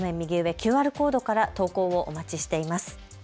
ＱＲコードから投稿をお待ちしています。